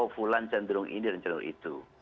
kita akan terburu buru